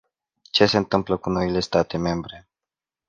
Ce se întâmplă cu noile state membre?